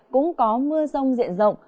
cũng có mưa rông diện rộng